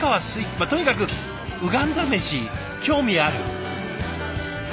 まっとにかくウガンダメシ興味ある。